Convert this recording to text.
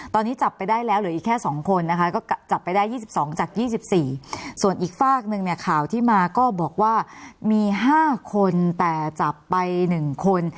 ตอนนี้จับไปได้แล้วเหลืออีกแค่๒คนนะคะก็จับไปได้๒๒จาก๒๔ส่วนอีกฝากหนึ่งเนี่ยข่าวที่มาก็บอกว่ามี๕คนแต่จับไป๑คน